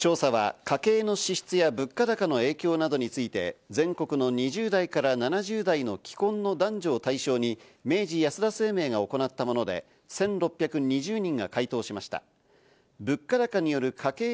調査は家計の支出や物価高の影響などについて、全国の２０代から７０代の既婚の男女を対象に明治安田生命が行ったもので、１６２０人が回答しました。